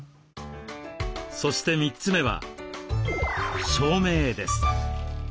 そして３つ目は照明です。